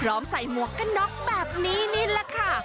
พร้อมใส่หมวกกระน็อกแบบนี้นี่ล่ะค่ะ